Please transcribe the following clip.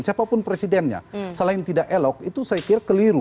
siapapun presidennya selain tidak elok itu saya kira keliru